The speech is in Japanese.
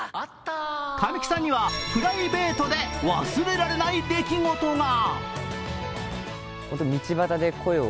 神木さんにはプライベートで忘れられない出来事が。